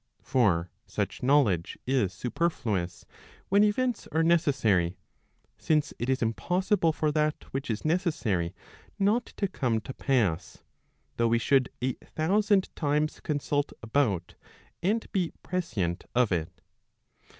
For such knowledge is superfluous, when events are necessary; since it is impossible for that which is necessary not to come to pass, though we should a thousand times consult about, and be prescient'of it.